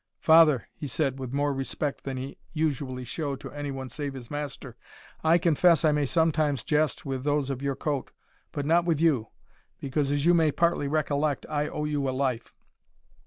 "Father," he said, with, more respect than he usually showed to any one save his master, "I confess I may sometimes jest with those of your coat, but not with you; because, as you may partly recollect, I owe you a life.